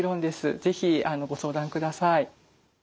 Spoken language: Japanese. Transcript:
是非ご相談ください。